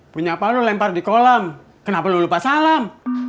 punya apa lo lempar di kolam kenapa lo lupa salam